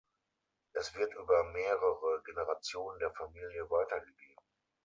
Es wird über mehrere Generationen der Familie weitergegeben.